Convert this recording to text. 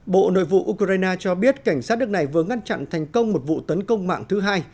bộ nội vụ ukraine cho biết cảnh sát nước này vừa ngăn chặn thành công một vụ tấn công mạng thứ hai